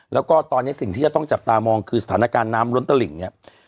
แล้วก็ตอนนี้สิ่งที่จะต้องจับตามองคือสถานการณ์น้ำล้นตลิ่งเนี่ย